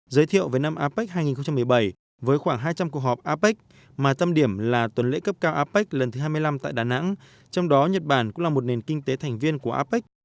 giới thiệu về năm apec hai nghìn một mươi bảy với khoảng hai trăm linh cuộc họp apec mà tâm điểm là tuần lễ cấp cao apec lần thứ hai mươi năm tại đà nẵng trong đó nhật bản cũng là một nền kinh tế thành viên của apec